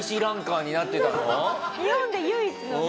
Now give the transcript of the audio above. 日本で唯一のね。